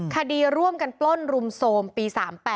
คดีร่วมกันปล้นรุมโทรมปี๓๘